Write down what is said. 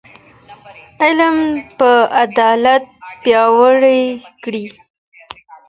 علم به عدالت پیاوړی کړي.